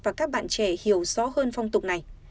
và các bạn trẻ hiểu rõ hơn phong tục này